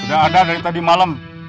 sudah ada dari tadi malam